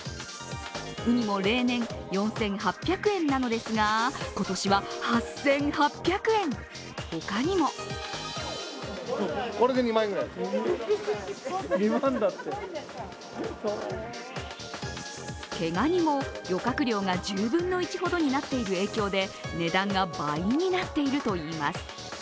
うにも例年４８００円なのですが今年は８８００円、他にも毛がにも漁獲量が１０分の１ほどになっている影響で値段が倍になっているといいます。